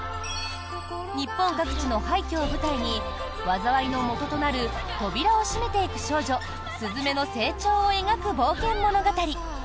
日本各地の廃虚を舞台に災いのもととなる扉を閉めていく少女鈴芽の成長を描く冒険物語。